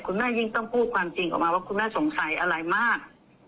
ยิ่งต้องพูดความจริงออกมาว่าคุณแม่สงสัยอะไรมาก